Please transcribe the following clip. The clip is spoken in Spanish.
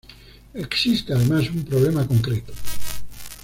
Existe además un problema concreto.